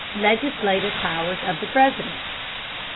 LEGISLATIVE POWERS OF THE PRESIDENT.